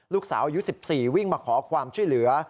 ลูกสาวอายุ๑๔วิ่งมาขอความช่วยเหลือ